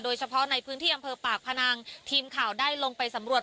โดยเฉพาะในพื้นที่อำเภอปากพนังทีมข่าวได้ลงไปสำรวจ